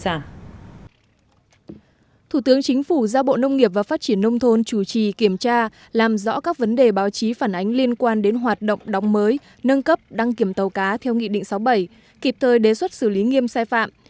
thủ tướng chính phủ giao bộ nông nghiệp và phát triển nông thôn chủ trì kiểm tra làm rõ các vấn đề báo chí phản ánh liên quan đến hoạt động đóng mới nâng cấp đăng kiểm tàu cá theo nghị định sáu mươi bảy kịp thời đề xuất xử lý nghiêm sai phạm